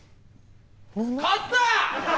勝った！